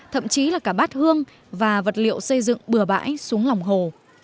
thậm chí là cả bát hương và vật liệu xây dựng bừa bãi xuống lòng hồ